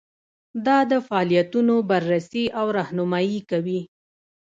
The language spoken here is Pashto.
دا د فعالیتونو بررسي او رهنمایي کوي.